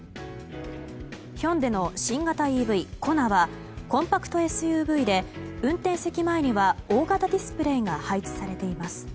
ヒョンデの新型ＥＶ、ＫＯＮＡはコンパクトＳＵＶで運転席前には大型ディスプレーが配置されています。